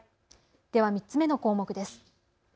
では３つ目の項目です。